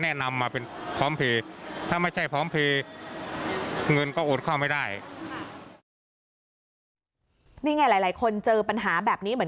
แบบนี้ไหมครับนี่ไงหลายคนเจอปัญหาแบบนี้ไหมครับ